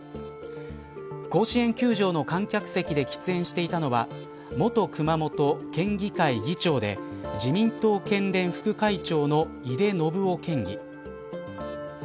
甲子園球場の観客席で喫煙していたのは元熊本県議会議長で自民党県連副会長の井手順雄県議。